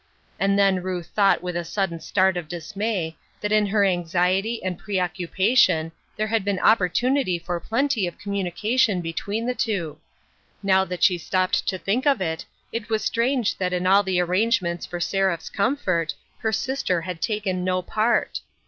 And then Ruth thought with a sudden start of dismay, that in her anxiety and pre occupation there had been opportunity for plenty of communication between the two. Now that she stopped to think of it, it was strange that in all the arrangements for Seraph's comfort, her sister had taken no part.